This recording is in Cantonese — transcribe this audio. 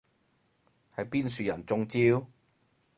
係邊樹人中招？